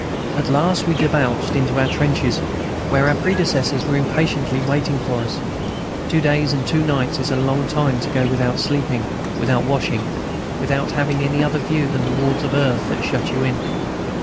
At last we debouched into our trenches, where our predecessors were impatiently waiting for us. Two days and two nights is a long time to go without sleeping, without washing, without having any other view than the walls of earth that shut you in.